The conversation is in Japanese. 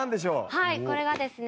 はいこれがですね